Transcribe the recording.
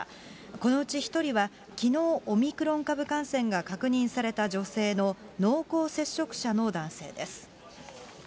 このうち１人はきのう、オミクロン株感染が確認された女性の濃厚接触者の男性です。